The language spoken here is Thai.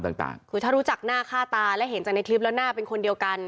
ต่างต่างคือถ้ารู้จักหน้าค่าตาและเห็นจากในคลิปแล้วหน้าเป็นคนเดียวกัน